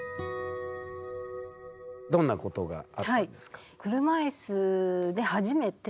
どんなことがあったんですか？